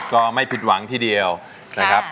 ก็ไม่ผิดหวังทีเดียวนะครับ